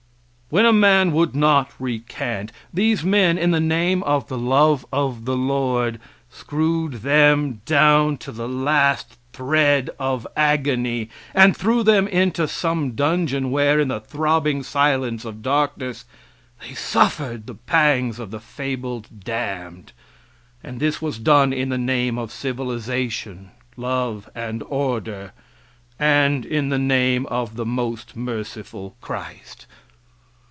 When a man would not recant, these men, in the name of the love of the Lord, screwed them down to the last thread of agony and threw them into some dungeon, where, in the throbbing silence of darkness, they suffered the pangs of the fabled damned; and this was done in the name of civilization, love and order, and in the name of the most merciful Christ.